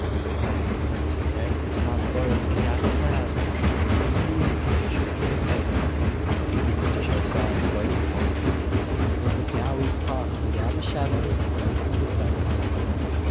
On the appointed day the sun rose without a cloud, and the Indians shook their heads, beginning to show signs of open hostility as the hours passed without a shadow on the face of the sun.